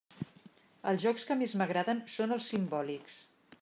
Els jocs que més m'agraden són els simbòlics.